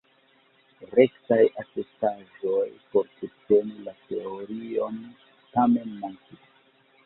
Rektaj atestaĵoj por subteni la teorion tamen mankis.